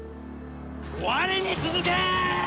我に続け！